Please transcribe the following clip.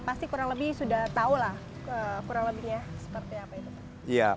pasti kurang lebih sudah tahu lah kurang lebihnya seperti apa itu